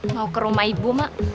mau ke rumah ibu mak